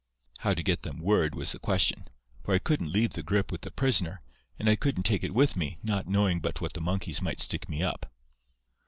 How to get them word was the question, for I couldn't leave the grip with the prisoner, and I couldn't take it with me, not knowing but what the monkeys might stick me up.